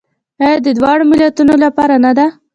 آیا د دواړو ملتونو لپاره نه ده؟